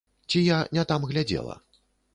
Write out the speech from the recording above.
Ці я не там глядзела?